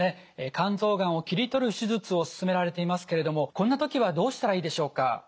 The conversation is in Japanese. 肝臓がんを切り取る手術を勧められていますけれどもこんな時はどうしたらいいでしょうか？